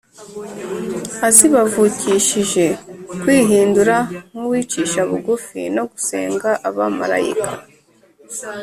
azibavukishije kwihindura nk’uwicisha bugufi no gusenga abamarayika